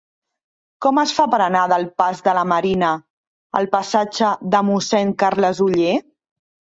Com es fa per anar del pas de la Marina al passatge de Mossèn Carles Oller?